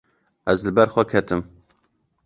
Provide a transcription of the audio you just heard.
Ez li ber xwe ketim.